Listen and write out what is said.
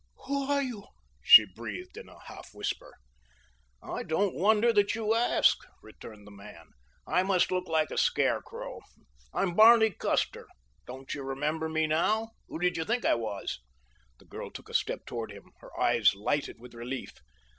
"Who are you?" she breathed in a half whisper. "I don't wonder that you ask," returned the man. "I must look like a scarecrow. I'm Barney Custer. Don't you remember me now? Who did you think I was?" The girl took a step toward him. Her eyes lighted with relief.